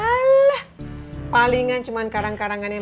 alah palingan cuma karang karangannya